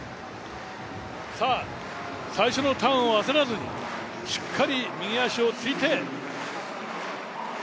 最初のターンを焦らずにしっかり右足をついて。